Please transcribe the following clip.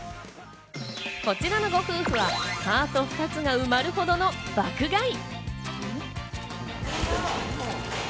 こちらのご夫婦はカート２つが埋まるほどの爆買い。